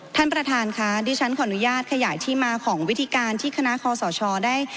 ท่านประธานค่ะดิฉันขออนุญาตขยายที่มาของวิธีการที่คณะคอสชได้